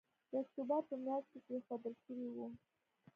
د اکتوبر په مياشت کې کېښودل شوی وو